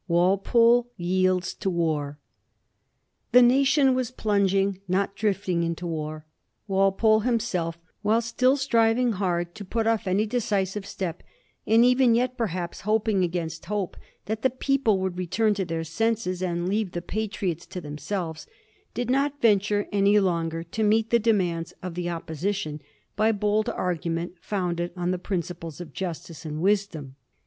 WALPOLE TIBLDS TO WAR. Thb nation was plunging, not drifting, into war. Wal pole himself, while still striving hard to put off any deci sive step, and even yet perhaps hoping against hope that the people would return to their senses and leave the Patriots to themselves, did not venture any longer to meet the demands of the Opposition by bold argument founded on the principles of justice and wisdom.